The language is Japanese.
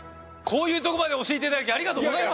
こういうとこまで教えていただきありがとうございます。